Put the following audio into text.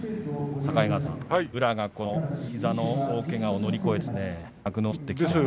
境川さん、宇良が膝の大けがを乗り越えて幕内に戻ってきました。